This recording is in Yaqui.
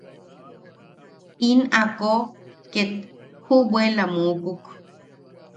In ako ket, juʼubwela mukuk.